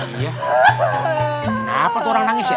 kenapa tuh orang nangis ya